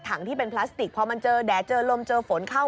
ที่เป็นพลาสติกพอมันเจอแดดเจอลมเจอฝนเข้า